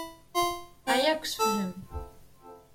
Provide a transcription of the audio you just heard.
Ɛyiɣ deg usefhem.